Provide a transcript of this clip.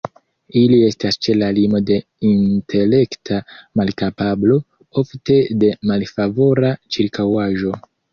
Ili estas ĉe la limo de intelekta malkapablo, ofte de malfavora ĉirkaŭaĵo.